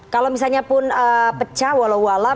kalau misalnya pun pecah walau walau